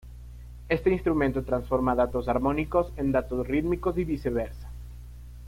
Este instrumento transforma datos armónicos en datos rítmicos y viceversa.